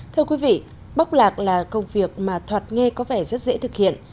thưa quý vị bóc lạc là công việc mà thoạt nghe có vẻ rất dễ thực hiện